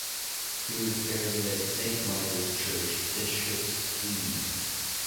He was buried at Saint Michaels church Bishops Cleeve.